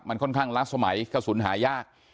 มันค่อนข้างละสมัยกระสุนหายาก